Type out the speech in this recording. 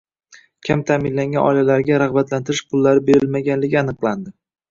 Kam ta’minlangan oilalarga rag‘batlantirilish pullari berilmagani aniqlandi